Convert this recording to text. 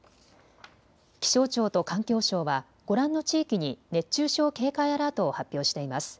気象庁と環境省はご覧の地域に熱中症警戒アラートを発表しています。